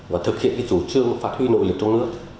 và thực hiện cái chủ trương phát huy nội lực trong nước